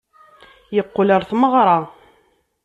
Yeqqel ɣer tmeɣra.